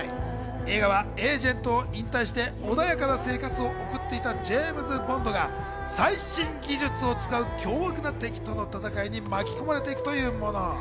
映画はエージェントを引退して穏やかな生活を送っていたジェームズ・ボンドが、最新技術を使う凶悪な敵との戦いに巻き込まれていくというもの。